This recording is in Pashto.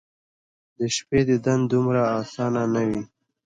د شپې دیدن دومره اسانه ،نه وي